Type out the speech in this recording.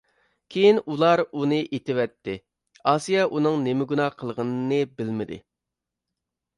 كېيىن ئۇلار ئۇنى ئېتىۋەتتى، ئاسىيە ئۇنىڭ نېمە گۇناھ قىلغىنىنى بىلمىدى.